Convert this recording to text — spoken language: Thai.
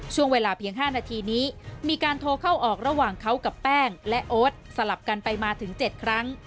ช่วงเวลาเพียง๕นาทีนี้มีการโทรเข้าออกระหว่างเขากับแป้งและโอ๊ตสลับกันไปมาถึง๗ครั้ง